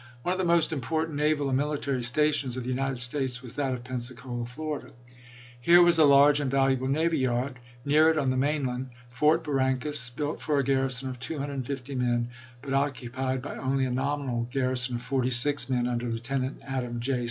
One of the most important naval and military stations of the United States was that of Pensacola, Florida. Here was a large and valu able navy yard ; near it, on the main land, Fort Barrancas, built for a garrison of 250 men, but oc cupied by only a nominal garrison of 46 men under Lieutenant Adam J.